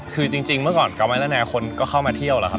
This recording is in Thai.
คือจริงเมื่อก่อนกล้องไม้ระแนนครูก็เข้ามาเที่ยวแหละค่ะ